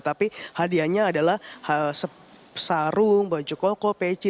tapi hadiahnya adalah sarung baju koko peci